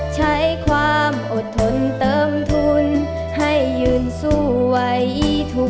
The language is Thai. ใช้ความอดทนเติมทุนให้ยืนสู้ไว้ทุกข์